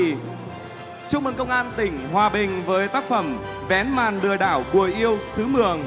xin được chúc mừng công an tỉnh hòa bình với tác phẩm vén màn lừa đảo của yêu sứ mường